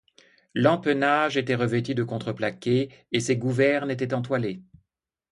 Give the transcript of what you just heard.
L'empennage était revêtu de contreplaqué, et ses gouvernes étaient entoilées.